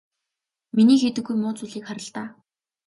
Миний хийдэггүй муу зүйлсийг хар л даа.